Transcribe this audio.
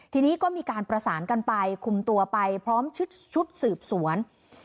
ทีนี้ก็มีการประสานกันไปคุมตัวไปพร้อมชุดสืบสวน